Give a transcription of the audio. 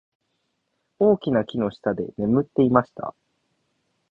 大きな木の下で眠っていました。